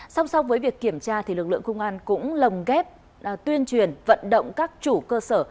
song song với việc kiểm tra lực lượng công an cũng lồng ghép tuyên truyền vận động các chủ cơ sở